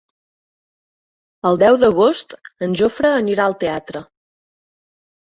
El deu d'agost en Jofre anirà al teatre.